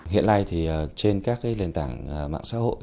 hiện nay thì trên các cái nền tảng mạng xã hội